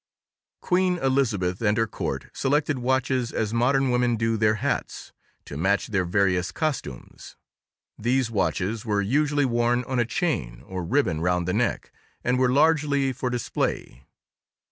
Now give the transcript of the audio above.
Queen Elizabeth and her court selected watches as modern women do their hats—to match their various costumes. These watches were usually worn on a chain or ribbon round the neck and were largely for display.